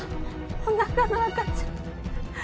お腹の赤ちゃん。